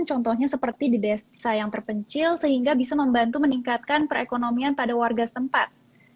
contohnya seperti di desa yang terpencil sehingga bisa membantu meningkatkan perekonomian pada warga setempat